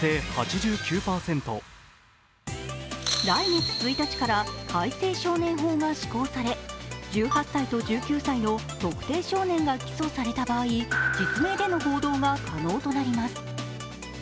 来月１日から改正少年法が施行され、１８歳と１９歳の特定少年が起訴された場合実名での報道が可能となります。